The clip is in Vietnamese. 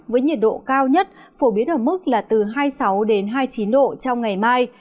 với nhiệt độ cao nhất phổ biến ở mức là từ hai mươi sáu đến hai mươi chín độ trong ngày mai